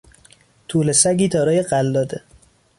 توله سگی دارای قلاده